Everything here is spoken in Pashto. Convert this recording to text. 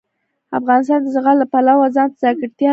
افغانستان د زغال د پلوه ځانته ځانګړتیا لري.